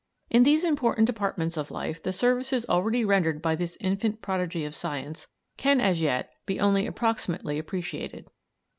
In these important departments of life the services already rendered by this infant prodigy of science can as yet be only approximately appreciated.